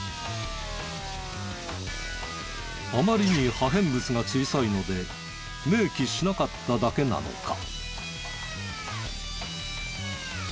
あまりに破片物が小さいので明記しなかっただけなのか？